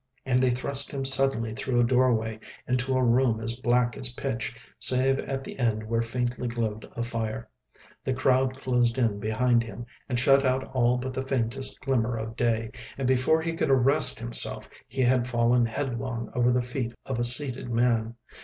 And they thrust him suddenly through a doorway into a room as black as pitch, save at the end there faintly glowed a fire. The crowd closed in behind him and shut out all but the faintest glimmer of day, and before he could arrest himself he had fallen headlong over the feet of a seated man.